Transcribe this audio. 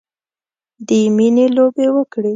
د میینې لوبې وکړې